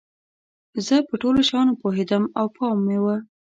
زه په ټولو شیانو پوهیدم او پام مې و.